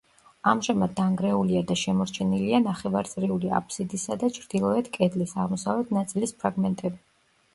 ამჟამად დანგრეულია და შემორჩენილია ნახევარწრიული აფსიდისა და ჩრდილოეთ კედლის, აღმოსავლეთ ნაწილის ფრაგმენტები.